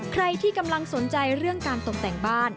ใครที่กำลังสนใจเรื่องการตกแต่งบ้าน